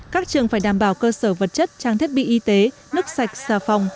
các trường phải đảm bảo cơ sở vật chất trang thiết bị y tế nước sạch xà phòng